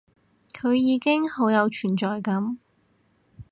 佢已經好有存在感